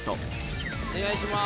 お願いします。